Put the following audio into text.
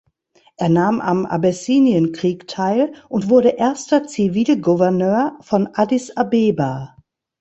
Er nahm am Abessinienkrieg teil und wurde erster Zivilgouverneur von Addis Abeba.